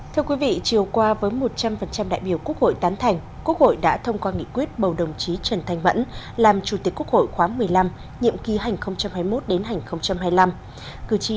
thưa quý vị chiều qua với một trăm linh đại biểu quốc hội tán thành quốc hội đã thông qua nghị quyết bầu đồng chí trần thanh mẫn làm chủ tịch quốc hội khóa một mươi năm nhiệm ký hành hai mươi một hành hai mươi năm